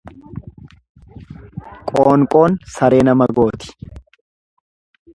Qoonqoon saree nama gooti.